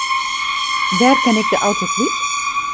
Wêr kin ik de auto kwyt?